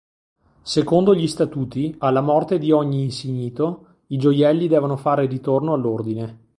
Secondo gli statuti alla morte di ogni insignito, i gioielli devono fare ritorno all'Ordine.